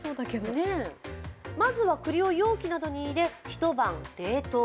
まずはくりを容器などに入れ、一晩冷凍。